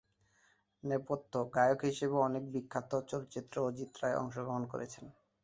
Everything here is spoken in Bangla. নেপথ্য গায়ক হিসেবে অনেক বিখ্যাত চলচ্চিত্রে অজিত রায় অংশগ্রহণ করেছেন।